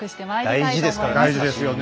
大事ですからね